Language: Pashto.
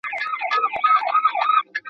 محیط مو د مثبت بدلون لپاره وکاروئ.